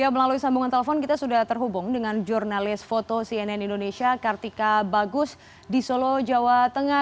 melalui sambungan telepon kita sudah terhubung dengan jurnalis foto cnn indonesia kartika bagus di solo jawa tengah